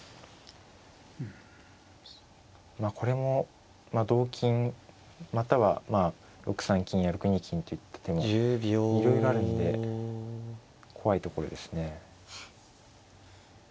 まあこれも同金または６三金や６二金といった手もいろいろあるんで怖いところですね。